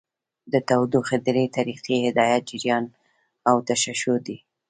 د تودوخې درې طریقې هدایت، جریان او تشعشع دي.